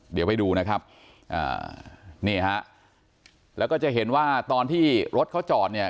เดี๋ยวไปดูนะครับอ่านี่ฮะแล้วก็จะเห็นว่าตอนที่รถเขาจอดเนี่ย